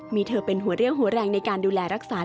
มีเธอเป็นหัวเรี่ยวหัวแรงในการดูแลรักษา